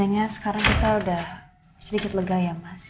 tapi setidaknya sekarang kita sudah sedikit lega ya mas